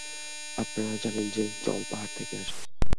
আপনারা জানেন যে, জল পাহাড় থেকে আসে।